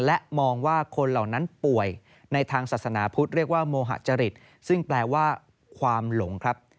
และมองว่าคนเหล่านั้นป่วยในทางศาสนาพุทธเรียกว่าโมหะจริตซึ่งแปลว่าความหลงครับ